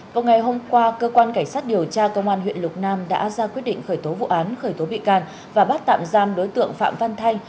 vào ngày hôm qua cơ quan cảnh sát điều tra công an huyện lục nam đã ra quyết định khởi tố vụ án khởi tố bị can và bắt tạm giam đối tượng phạm văn thanh